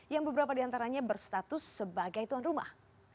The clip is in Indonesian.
yang beberapa diantaranya berstatus sebagai tuan rumah